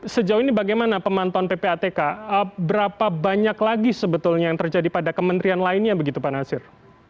sejauh ini bagaimana pemantauan ppatk berapa banyak lagi sebetulnya yang terjadi pada kementerian lainnya begitu pak nasir